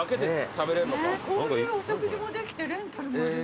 こういうお食事もできてレンタルもある。